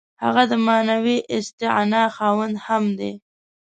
هغه د معنوي استغنا خاوند هم دی.